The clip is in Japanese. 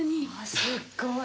すっごい。